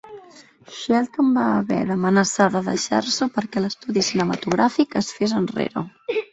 Shelton va haver d'amenaçar de deixar-s'ho perquè l'estudi cinematogràfic es fes enrere.